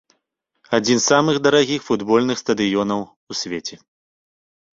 Адзін з самых дарагіх футбольных стадыёнаў у свеце.